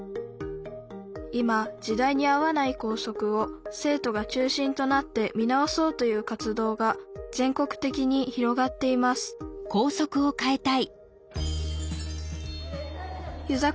今時代に合わない校則を生徒が中心となって見直そうという活動が全国的に広がっています遊佐